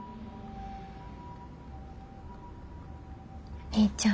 お兄ちゃん。